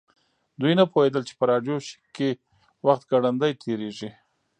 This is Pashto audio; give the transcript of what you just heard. دوی نه پوهیدل چې په راډیو شیک کې وخت ګړندی تیریږي